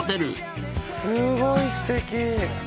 すごいすてき！